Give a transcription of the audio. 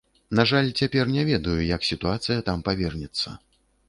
На жаль, цяпер не ведаю, як сітуацыя там павернецца.